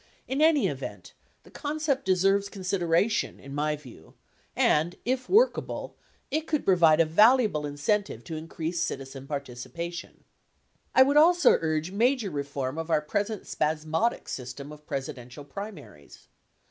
In any event, the concept deserves con sideration, in my view; and, if workable, it could provide a valuable incentive to increase citizen participation. I would also urge major reform of our present spasmodic system of Presidential primaries.